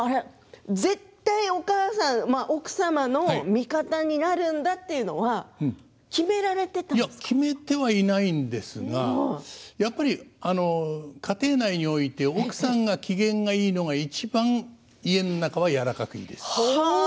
絶対お母さん奥様の味方になるんだというのは決めてはいないんですがやっぱり家庭内において奥さんが機嫌がいいのがいちばん家の中は柔らかくなるんです。